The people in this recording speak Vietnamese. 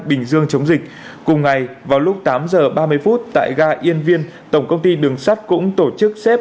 bình dương chống dịch cùng ngày vào lúc tám giờ ba mươi phút tại ga yên viên tổng công ty đường sắt cũng tổ chức xếp